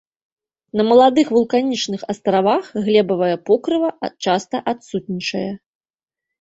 На маладых вулканічных астравах глебавае покрыва часта адсутнічае.